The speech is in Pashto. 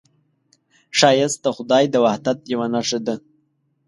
ښایست د خدای د وحدت یوه نښه ده